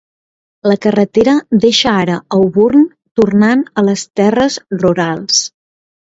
La carretera deixa ara Auburn, tornant a les terres rurals.